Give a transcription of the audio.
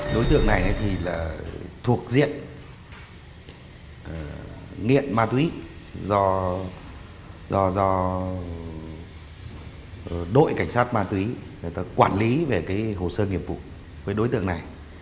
đối tượng này thì là thuộc diện nghiện ma túy do đội cảnh sát ma túy quản lý về cái hồ sơ nghiệp vụ với đối tượng này